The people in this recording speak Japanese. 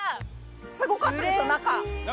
すごかったですよ中。